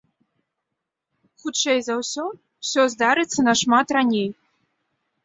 Хутчэй за ўсё, усё здарыцца нашмат раней.